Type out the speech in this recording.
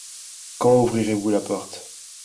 Quand ouvrirez-vous la porte ?